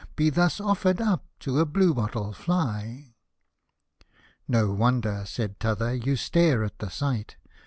Be thus offered up to a blue bottle Fly ?" "No wonder" — said t'other — "you stare at the sight.